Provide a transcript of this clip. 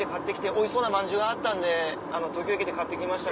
おいしそうなまんじゅうがあったんで東京駅で買ってきました